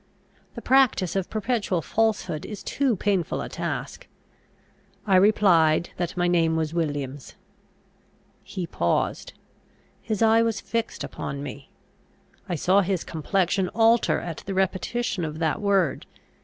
The practice of perpetual falsehood is too painful a task. I replied, that my name was Williams. He paused. His eye was fixed upon me. I saw his complexion alter at the repetition of that word.